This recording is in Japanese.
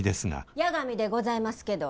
八神でございますけど。